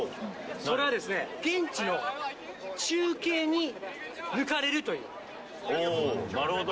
それはですね、現地の中継に抜かおー、なるほど。